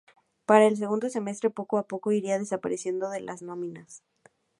Para el segundo semestre poco a poco iría desapareciendo de las nóminas.